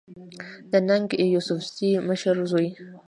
د ننګ يوسفزۍ مشر زوی